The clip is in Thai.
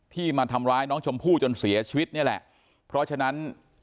มาทำร้ายน้องชมพู่จนเสียชีวิตนี่แหละเพราะฉะนั้น